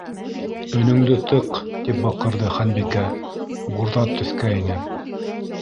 —Өнөңдө тыҡ! —тип баҡырҙы Ханбикә, бурҙат төҫкә инеп.